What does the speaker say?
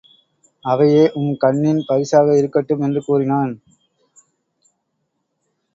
அவையே உம் கண்ணின் பரிசாக இருக்கட்டும் என்று கூறினான்.